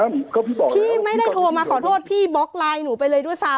ก็พี่บอกแล้วพี่ไม่ได้โทรมาขอโทษพี่บล็อกไลน์หนูไปเลยด้วยซ้ำ